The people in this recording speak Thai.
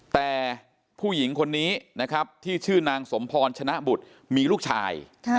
แต่ผู้หญิงคนนี้นะครับที่ชื่อนางสมพรชนะบุตรมีลูกชาย